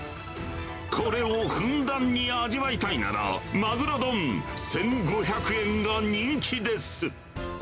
これをふんだんに味わいたいなら、マグロ丼１５００円が人気です。